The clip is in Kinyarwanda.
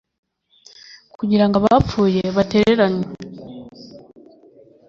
Kugira ngo abapfuye batereranywe